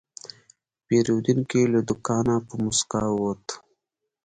پیرودونکی له دوکانه په موسکا ووت.